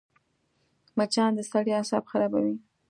مچان د سړي اعصاب خرابوي